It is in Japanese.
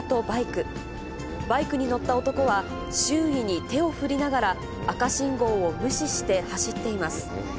バイクに乗った男は、周囲に手を振りながら、赤信号を無視して走っています。